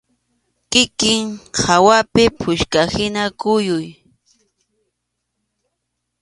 Kikin hawapi puchkahina kuyuy.